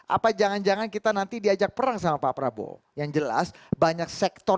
apa jangan jangan kita nanti diajak perang sama pak prabowo yang jelas banyak sektor